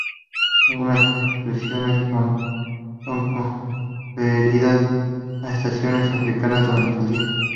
Algunas excepciones son conferidas a estaciones africanas durante el día.